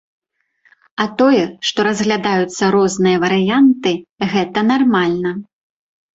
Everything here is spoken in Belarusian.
А тое, што разглядаюцца розныя варыянты, гэта нармальна.